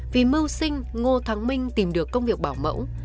vì mưu sinh ngô thắng minh tìm được công việc bảo mẫu